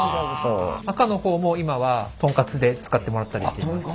赤のほうも今はトンカツで使ってもらったりしています。